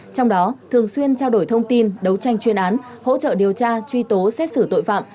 trong đó thường xuyên trao đổi thông tin đấu tranh chuyên án hỗ trợ điều tra truy tố xét xử tội phạm